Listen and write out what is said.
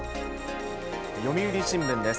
読売新聞です。